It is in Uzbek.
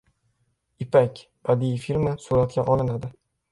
“Ipak” badiiy filmi suratga olinadi